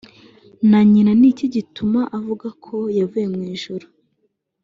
na nyina ni iki gituma avuga ko yavuye mu ijuru